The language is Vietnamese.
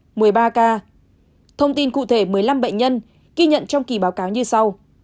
chùm sàng lọc ho sốt một mươi ba ca thông tin cụ thể một mươi năm bệnh nhân ghi nhận trong kỳ báo cáo như sau